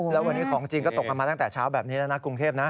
แล้ววันนี้ของจริงก็ตกกันมาตั้งแต่เช้าแบบนี้แล้วนะกรุงเทพนะ